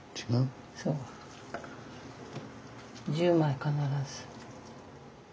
１０枚必ず。